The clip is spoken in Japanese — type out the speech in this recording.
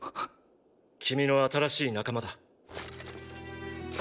君の新しい仲間だ。